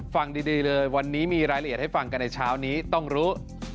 ฟังดีเลยวันนี้มีรายละเอียดให้ฟังกันในเช้านี้ต้องรู้